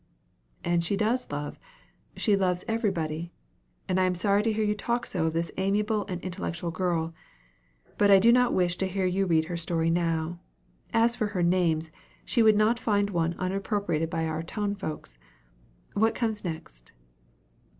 "And she does love she loves everybody; and I am sorry to hear you talk so of this amiable and intellectual girl. But I do not wish to hear you read her story now as for her names, she would not find one unappropriated by our towns folks. What comes next?"